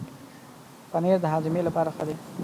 پنېر د هاضمې لپاره ښه دی.